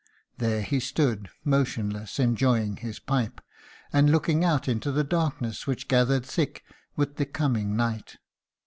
There he stood motionless, enjoying his pipe, and looking out into the darkness which gathered thick with the coming night.